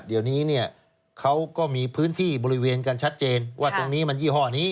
เดี๋ยวนี้เนี่ยเขาก็มีพื้นที่บริเวณกันชัดเจนว่าตรงนี้มันยี่ห้อนี้